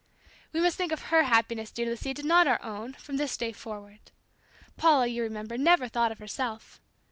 "We must think of her happiness, dear Lisita, not our own, from this day forward. Paula, you remember, never thought of herself.